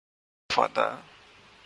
اب خوف آتا ہے